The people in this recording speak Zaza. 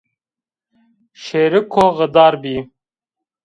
Şêrêko xidar bî